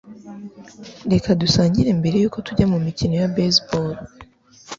reka dusangire mbere yuko tujya mumikino ya baseball